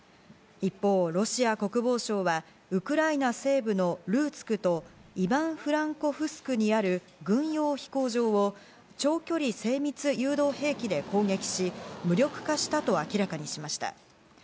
一方、ロシア国防省はウクライナ西部のルーツクとイバノフランコフスクにある軍用飛行場を長距離精密誘導兵器で攻撃し、無力化したと明らかにしました。